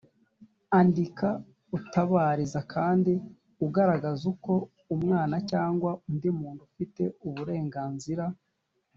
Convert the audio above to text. andika utabariza kandi ugaragaza uko umwana cyangwa undi muntu afite uburenganzira.